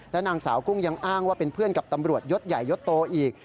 นางสาวกุ้งยังอ้างว่าเป็นเพื่อนกับตำรวจยศใหญ่ยศโตอีก